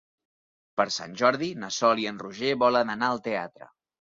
Per Sant Jordi na Sol i en Roger volen anar al teatre.